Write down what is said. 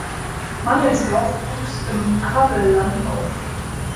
Mangelsdorf wuchs im Havelland auf.